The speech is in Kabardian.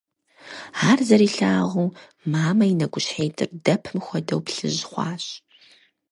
Ар зэрилъагъуу, мамэ и нэкӀущхьитӀыр, дэпым хуэдэу, плъыжь хъуащ.